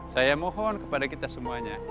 saya mohon kepada kita semuanya